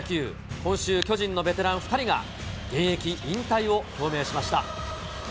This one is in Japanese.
今週、巨人のベテラン２人が現役引退を表明しました。